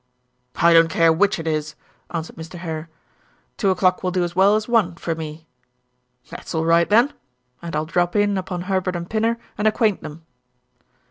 "I don't care which it is," answered Mr. Hare. "Two o'clock will do as well as one, for me." "That's all right, then; and I'll drop in upon Herbert and Pinner and acquaint them."